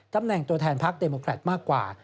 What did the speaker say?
ตำแหน่งตัวแทนพักเดโมแครตมากกว่า